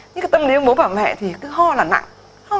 nhưng cái tâm lý của bố và mẹ thì cứ ho là nặng